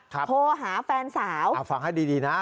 โทรหาแฟนสาวฟังให้ดีดีนะ